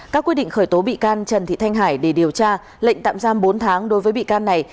các quy định khởi tố bị can trần thị thanh hải để điều tra lệnh tạm giam bốn tháng đối với bị can này